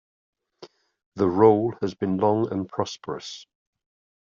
The rule has been long and prosperous.